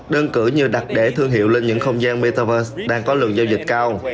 đơn cử như đặt đẻ thương hiệu lên những không gian metaverse đang có lượng giao dịch cao